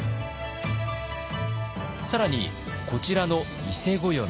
更にこちらの伊勢暦。